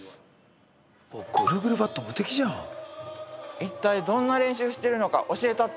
一体どんな練習してるのか教えたって。